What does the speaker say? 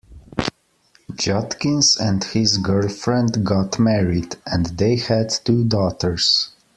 Judkins and his girlfriend got married, and they had two daughters.